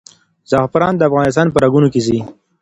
زعفران د افغانستان په رګونو کې ځي.